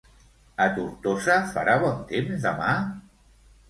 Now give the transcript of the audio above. A Tortosa farà bon temps demà?